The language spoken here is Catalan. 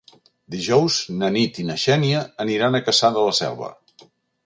Dijous na Nit i na Xènia aniran a Cassà de la Selva.